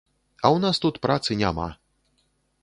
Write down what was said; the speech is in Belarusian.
А ў нас тут працы няма.